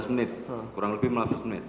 lima belas menit kurang lebih lima belas menit